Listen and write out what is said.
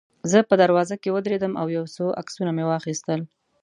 زه په دروازه کې ودرېدم او یو څو عکسونه مې واخیستل.